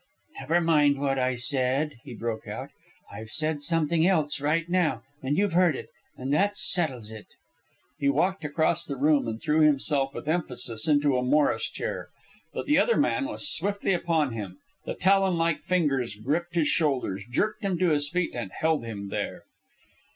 "Never mind what I said!" he broke out. "I've said something else right now, and you've heard it, and that settles it." He walked across the room and threw himself with emphasis into a Morris chair. But the other man was swiftly upon him. The talon like fingers gripped his shoulders, jerked him to his feet, and held him there.